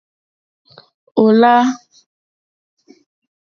Ò lâ.